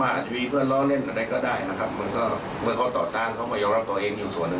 อาจเป็นเพื่อนเล่าเล่นอะไรก็ได้นะครับเมื่อเขาต่อจ้างเขาไม่ยอมรับตัวเองอยู่ส่วนหนึ่ง